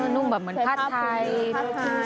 นุ่งแบบเหมือนผ้าไทย